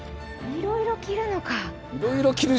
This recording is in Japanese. いろいろ着るの。